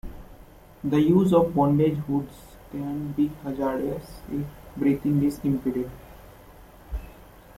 The use of bondage hoods can be hazardous if breathing is impeded.